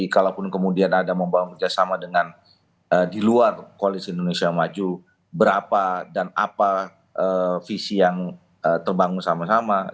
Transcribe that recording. kalaupun kemudian ada membangun kerjasama dengan di luar koalisi indonesia maju berapa dan apa visi yang terbangun sama sama